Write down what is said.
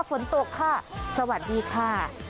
ฝนตกค่ะสวัสดีค่ะ